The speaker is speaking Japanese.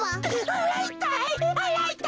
あらいたい！